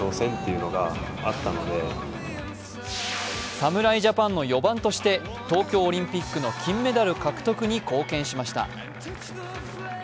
侍ジャパンの４番として東京オリンピックの金メダル獲得に貢献しました。